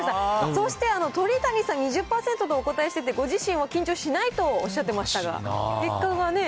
そして鳥谷さん、２０％とお答えしてて、ご自身は緊張しないとおっしゃってましたが、結果はね。